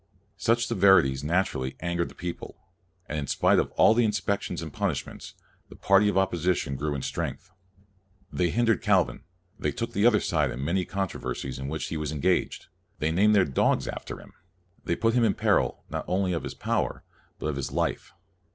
Such severities, naturally, angered the people, and in spite of all inspections and punishments, a party of opposition grew in strength. They hindered Calvin; they ii6 CALVIN took the other side in the many contro versies in which he was engaged; they named their dogs after him; they put him in peril, not only of his power, but of his life.